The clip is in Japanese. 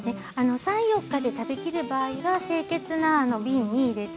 ３４日で食べきる場合は清潔な瓶に入れて冷蔵庫で保存します。